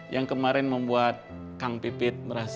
yang kemarin membuat kang pipit merasa kesal